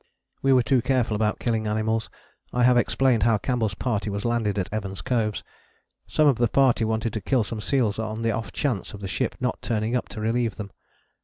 We were too careful about killing animals. I have explained how Campbell's party was landed at Evans Coves. Some of the party wanted to kill some seals on the off chance of the ship not turning up to relieve them.